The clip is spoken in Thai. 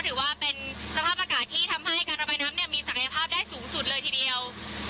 ถือว่าเป็นสภาพอากาศที่ทำให้การระบายน้ำเนี่ยมีศักยภาพได้สูงสุดเลยทีเดียว